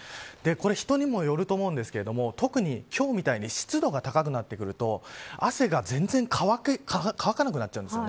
人にもよると思うのですが特に今日みたいに湿度が高くなってくると汗が全然乾かなくなっちゃうんです。